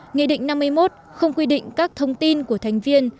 nghị định năm mươi một không quy định các thông tin của thành viên